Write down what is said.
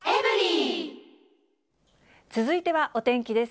続いてはお天気です。